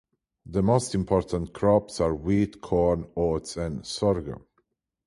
The most important crops are wheat, corn, oats, and sorghum.